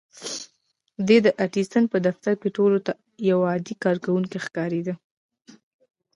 دی د ايډېسن په دفتر کې ټولو ته يو عادي کارکوونکی ښکارېده.